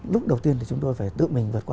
lúc đầu tiên thì chúng tôi phải tự mình vượt qua